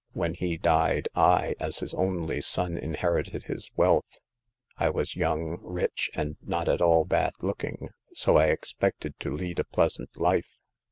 When he died I, as his only son, inherited his wealth. I was young, rich, and not at all bad looking, so I expected to lead a pleasant life.